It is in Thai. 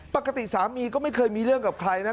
ปกติสามีก็ไม่เคยมีเรื่องกับใครนะ